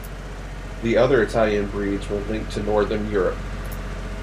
The other Italian breeds were linked to northern Europe.